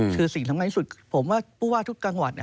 คือสิ่งทำให้สุดผมว่าผู้ว่าทุกการหวัด